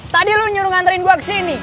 tadi lo nyuruh nganterin gue kesini